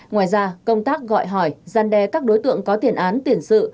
ngoài ra công tác gọi hỏi gian đe các đối tượng có tiền án tiền sự